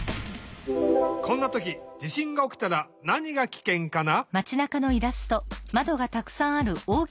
こんなとき地しんがおきたらなにがキケンかな？